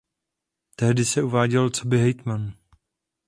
Tehdy se uváděl coby hejtman.